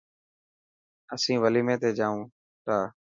اسين وليمي تي جائون تا.